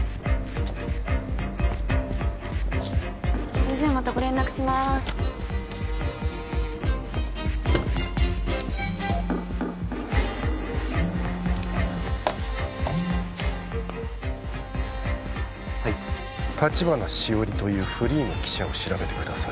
それじゃまたご連絡しまーすはい橘しおりというフリーの記者を調べてください